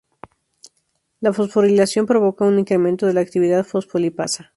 La fosforilación provoca un incremento de la actividad fosfolipasa.